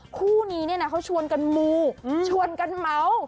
คู่นี้เขาชวนกันมูชวนกันเมา